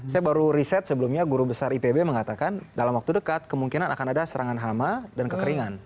saya baru riset sebelumnya guru besar ipb mengatakan dalam waktu dekat kemungkinan akan ada serangan hama dan kekeringan